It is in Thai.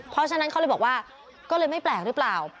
เพราะฉะนั้นเขาเลยบอกว่าก็เลยไม่แปลกหรือเปล่า